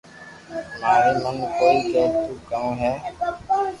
ماري من ڪوئي ڪي تو ڪنو ھي